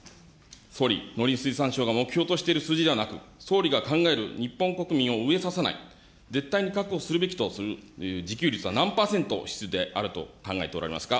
総理、農林水産省が目標としている数字ではなく、総理が考える日本国民を飢えさせない、絶対に確保するべきとする自給率は何％必要であると考えておられますか。